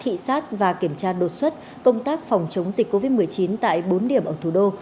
thị sát và kiểm tra đột xuất công tác phòng chống dịch covid một mươi chín tại bốn điểm ở thủ đô